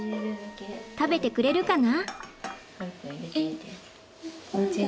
食べてくれるかな？